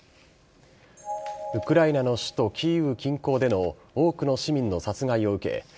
ウクライナの首都キーウ近郊での多くの市民の殺害を受け